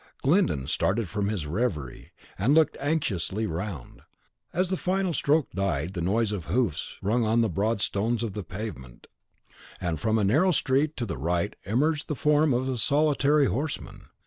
Glyndon started from his reverie, and looked anxiously round. As the final stroke died, the noise of hoofs rung on the broad stones of the pavement, and from a narrow street to the right emerged the form of a solitary horseman.